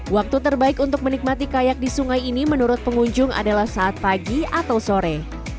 waktu terbaik untuk menikmati kayak di sungai ini menurut pengunjung adalah saat pagi atau sore